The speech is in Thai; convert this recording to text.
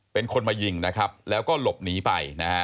เป็นคนมายิงแล้วก็หลบหนีไป